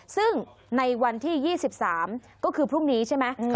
ซึ่งในวันที่๒๓ก็คือพรุ่งนี้ใช่ไหม